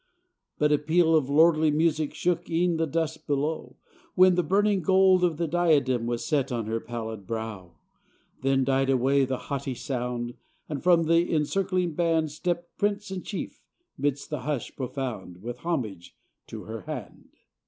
But a peal of lordly music Shook e'en the dust below, When the burning gold of the diadem Was set on her pallid brow! S66 THE CORONATION OF INEZ DE CASTRO Then died away that haughty sound; And from the encircling band Stepped prince and chief, midst the hush profound, With homage to her hand.